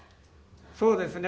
「そうですね」